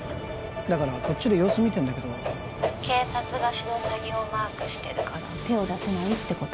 だからこっちで様子見てんだけど☎警察がシロサギをマークしてるから手を出せないってこと？